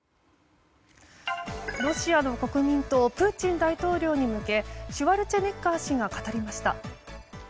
ロシアの国民とプーチン大統領に向けシュワルツェネッガー氏が語りました。